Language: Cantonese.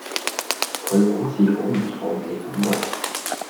佢好似好唔妥你咁噃